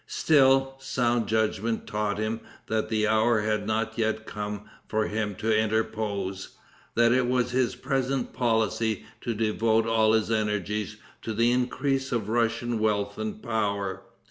Still, sound judgment taught him that the hour had not yet come for him to interpose; that it was his present policy to devote all his energies to the increase of Russian wealth and power.